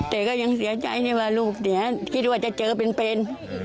แต่ก็ยังเสียใจนี่ว่าลูกเสียคิดว่าจะเจอเป็น